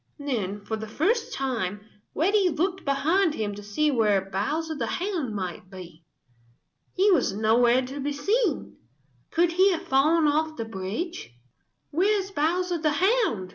Then for the first time Reddy looked behind him to see where Bowser the Hound might be. He was nowhere to be seen. Could he have fallen off the bridge? "Where is Bowser the Hound?"